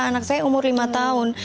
anak saya umur lima tahun